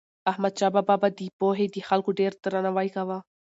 احمدشاه بابا به د پوهې د خلکو ډېر درناوی کاوه.